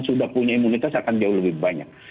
sudah punya imunitas akan jauh lebih banyak